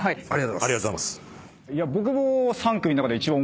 ありがとうございます。